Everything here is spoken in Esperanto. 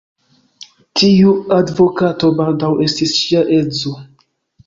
Tiu advokato baldaŭ estis ŝia edzo.